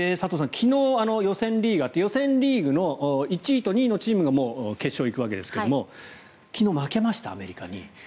昨日予選リーグがあって予選リーグの１位と２位のチームが決勝に行くわけですが昨日、負けました、アメリカに。